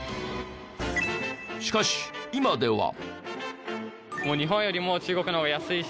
しかし今では。